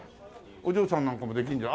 お嬢さんなんかもできるじゃん。